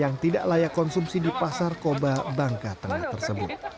yang tidak layak konsumsi di pasar koba bangka tengah tersebut